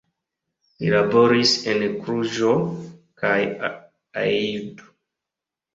Li laboris en Kluĵo kaj Aiud.